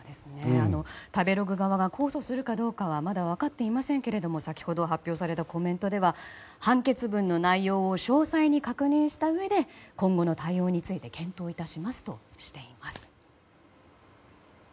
食べログ側が控訴するかどうかはまだ分かっていませんけども先ほど発表されたコメントでは判決文の詳細に確認したうえで今後の対応について検討致しますとしています。